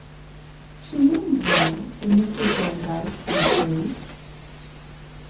"She means well," said Mr. Jarndyce hastily.